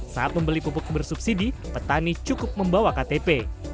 saat membeli pupuk bersubsidi petani cukup membawa ktp